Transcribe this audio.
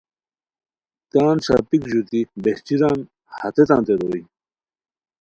تان ݰاپیک ژوتی بہچیران ہتیتانتے دویے